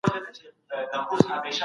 برکت په حلالو کارونو کي وي.